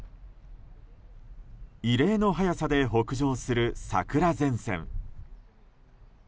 異例の早さで北上する桜前線。